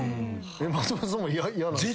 松本さんも嫌なんすか？